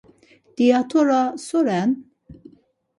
Tiat̆ora so ren.